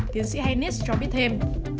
tiến sĩ haynes cho biết thêm